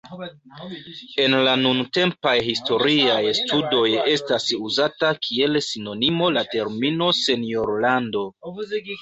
En la nuntempaj historiaj studoj estas uzata kiel sinonimo la termino "senjorlando".